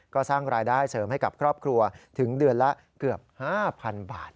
ก็สร้างรายได้เสริมให้กับครอบครัวถึงเดือนละเกือบ๕๐๐๐บาท